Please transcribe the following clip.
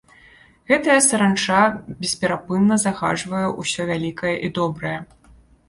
Гэтая саранча бесперапынна загаджвае ўсё вялікае і добрае.